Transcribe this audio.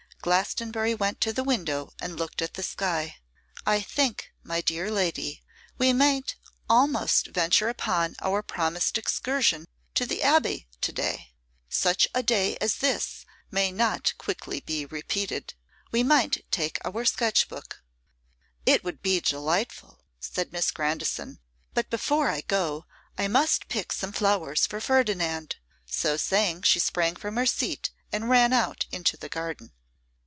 Glastonbury went to the window and looked at the sky. 'I think, my dear lady, we might almost venture upon our promised excursion to the Abbey today. Such a day as this may not quickly be repeated. We might take our sketch book.' 'It would be delightful,' said Miss Grandison; 'but before I go, I must pick some flowers for Ferdinand.' So saying, she sprang from her seat, and ran out into the garden.